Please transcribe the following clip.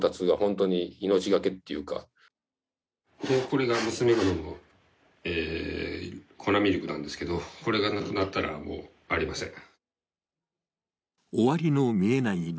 これが娘が飲む粉ミルクなんですけどこれがなくなったら、もうありません。